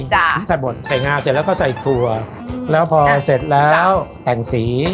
จ้ะที่นี่ใส่หมดใส่งาเสร็จแล้วก็ใส่ขัวแล้วพอเสร็จแล้วดังสี